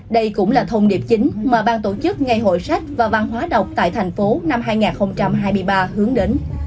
đây cũng là thông điệp chính mà bang tổ chức ngày hội sách và văn hóa đọc tại thành phố năm hai nghìn hai mươi ba hướng đến